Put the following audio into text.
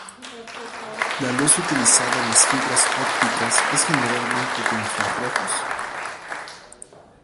La luz utilizada en las fibras ópticas es generalmente de infrarrojos.